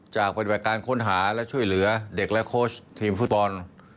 ปฏิบัติการค้นหาและช่วยเหลือเด็กและโค้ชทีมฟุตบอล